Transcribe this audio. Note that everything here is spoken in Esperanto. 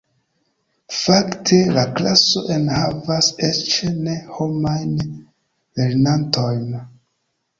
Fakte, la klaso enhavas eĉ ne-homajn lernantojn.